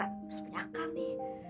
harus punya kami